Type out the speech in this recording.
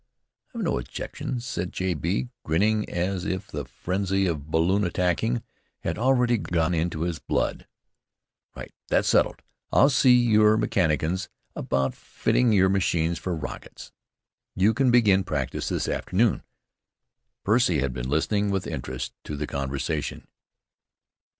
"I've no objection," said J. B., grinning as if the frenzy of balloonaticking had already got into his blood. "Right! that's settled. I'll see your mechanicians about fitting your machines for rockets. You can begin practice this afternoon." Percy had been listening with interest to the conversation.